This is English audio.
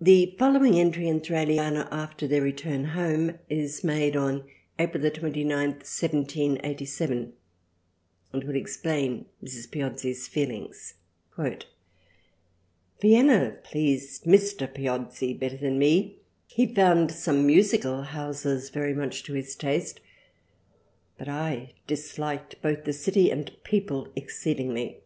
The following entry in Thraliana after their return home is made on April 29th 1787 and will explain Mrs. Piozzi's feelings. " Vienna pleased Mr. Piozzi better than me, he found some musical Houses very much to his Taste but I disliked both the City and People exceedingly.